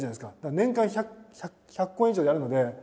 年間１００公演以上やるので。